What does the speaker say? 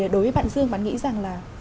đối với bạn dương bạn nghĩ rằng là